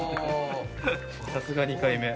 さすが２回目。